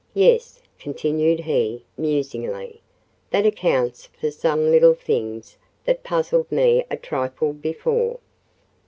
Yes," continued he, musingly, "that accounts for some little things that puzzled me a trifle before."